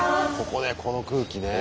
ここねこの空気ね。